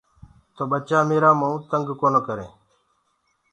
نآ تو ٻچآ ميرآ مئون تنگ ڪرسيٚ